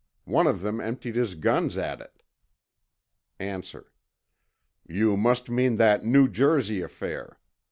One of them emptied his guns at it. A. You must mean that New Jersey affair.